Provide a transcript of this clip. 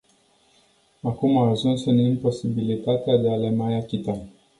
Acum a ajuns în imposibilitatea de a le mai achita.